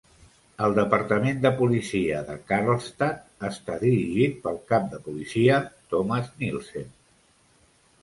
El Departament de policia de Carlstadt està dirigit pel Cap de policia, Thomas Nielsen.